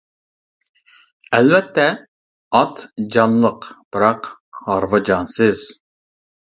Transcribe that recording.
ئەلۋەتتە، ئات جانلىق بىراق ھارۋا جانسىز.